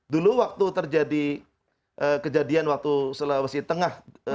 dulu waktu terjadi kejadian waktu sulawesi tengah